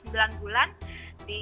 sembilan bulan di